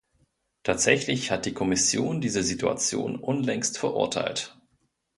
Tatsächlich hat die Kommission diese Situation unlängst verurteilt.